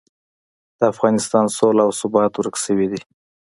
د افغانستان سوله او ثبات ورک شوي دي.